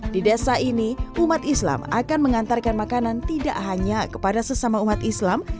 di desa ini umat islam akan mengantarkan makanan tidak hanya kepada sesama umat islam